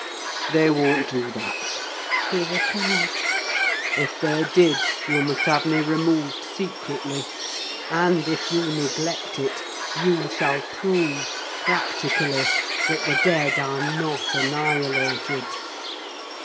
"They won't do that," he replied: "if they did, you must have me removed secretly; and if you neglect it you shall prove, practically, that the dead are not annihilated!"